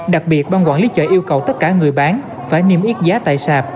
đặc biệt ban quản lý chợ yêu cầu tất cả người bán phải niêm yết giá tại sạp